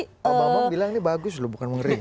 bang bang bilang ini bagus loh bukan mengerikan